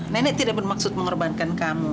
nenek tidak bermaksud mengorbankan kamu